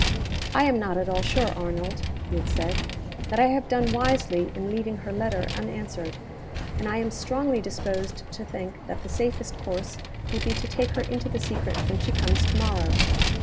"I am not at all sure, Arnold" (he had said), "that I have done wisely in leaving her letter unanswered. And I am strongly disposed to think that the safest course will be to take her into the secret when she comes to morrow.